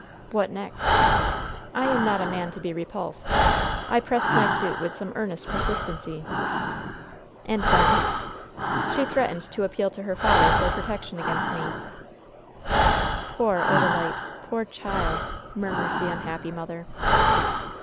"What next?" "I am not a man to be repulsed. I pressed my suit with some earnest persistency." "And then?" "She threatened to appeal to her father for protection against me." "Poor Odalite! Poor child!" murmured the unhappy mother.